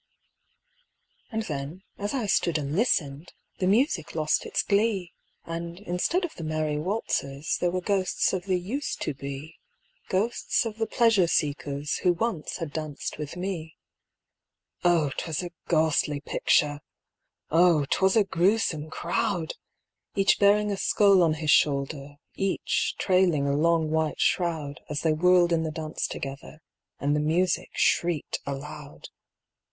And then, as I stood and listened, The music lost its glee; And instead of the merry waltzers There were ghosts of the Used to be Ghosts of the pleasure seekers Who once had danced with me. Oh, 'twas a ghastly picture! Oh, 'twas a gruesome crowd! Each bearing a skull on his shoulder, Each trailing a long white shroud, As they whirled in the dance together, And the music shrieked aloud.